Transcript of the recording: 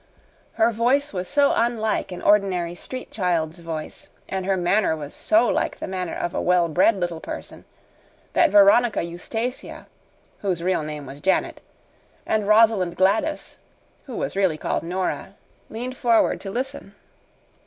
Her voice was so unlike an ordinary street child's voice and her manner was so like the manner of a well bred little person that Veronica Eustacia (whose real name was Janet) and Rosalind Gladys (who was really called Nora) leaned forward to listen.